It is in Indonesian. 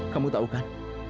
kamu tahu kan